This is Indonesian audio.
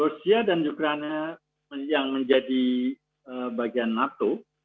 rusia dan ukraina yang menjadi bagian nato